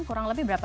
kurang lebih berapa